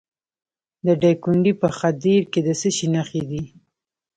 د دایکنډي په خدیر کې د څه شي نښې دي؟